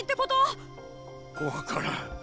分からん。